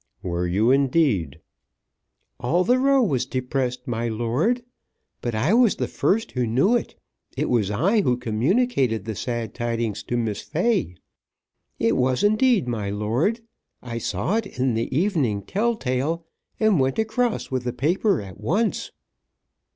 "Were you, indeed?" "All the Row was depressed, my lord. But I was the first who knew it. It was I who communicated the sad tidings to Miss Fay. It was, indeed, my lord. I saw it in the Evening Tell Tale, and went across with the paper at once."